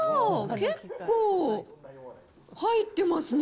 結構入ってますね。